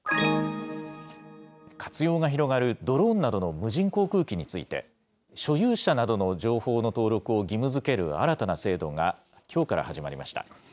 活用が広がるドローンなどの無人航空機について、所有者などの情報の登録を義務づける新たな制度が、きょうから始まりました。